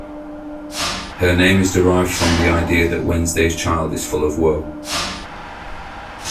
Her name is derived from the idea that Wednesday's child is full of woe.